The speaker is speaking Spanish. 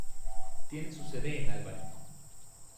Tiene su sede en Albany.